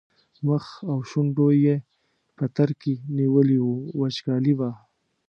مخ او شونډو یې پترکي نیولي وو وچکالي وه.